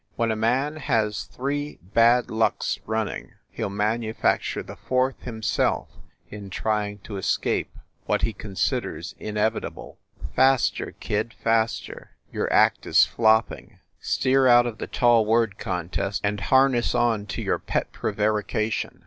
When a man has three bad lucks run ning, he ll manufacture the fourth himself in trying to escape what he considers inevitable." "Faster, kid, faster! Your act is flopping! Steer out of the tall word contest, and harness on to your pet prevarication."